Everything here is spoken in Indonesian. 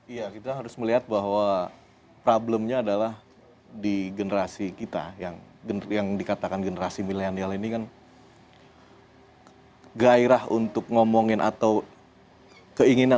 iya kita harus melihat bahwa problemnya adalah di generasi kita yang dikatakan generasi milenial ini kan gairah untuk ngomongin atau keinginan